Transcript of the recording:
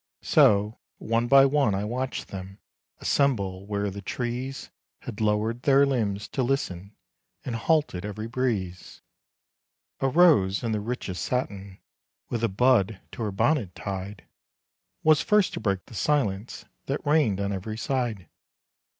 So, one by one I watched them Assemble where the trees Had lowered their limbs to listen And halted every breeze. A Rose in the richest satin, With a bud to her bonnet tied, Was first to break the silence That reigned on every side.